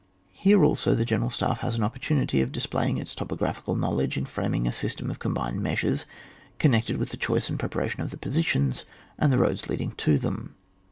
Here, also, the general staff has an opportunity of displaying its topographi cal knowledge in iraming a system of combined measures, connected with the choice and preparation of the positions and the roads leading to them.